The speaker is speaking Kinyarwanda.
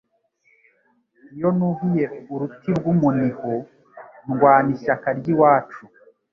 iyo nuhiye uruti rw'umuniho ndwana ishyaka ry'iwacu